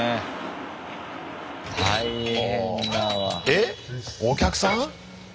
えっお客さん？